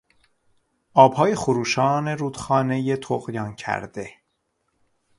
آبهای خروشان رودخانهی طغیان کرده